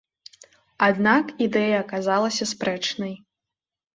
Аднак ідэя аказалася спрэчнай.